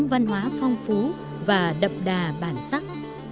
văn hóa phong phú và đậm đà bản sắc